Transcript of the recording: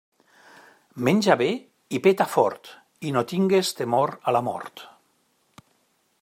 Menja bé i peta fort, i no tingues temor a la mort.